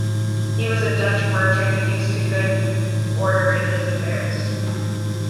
He was a Dutch merchant, used to good order in his affairs.